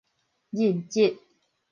認職